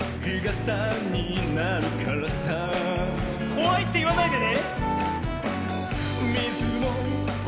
「こわい」っていわないでね。